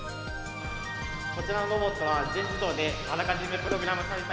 こちらのロボットは全自動であらかじめプログラムされた。